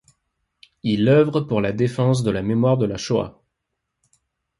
Il œuvre pour la défense de la mémoire de la Shoah.